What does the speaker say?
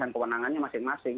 dan kewenangannya masing masing